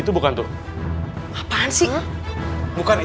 ya ampun katakan cinta sayang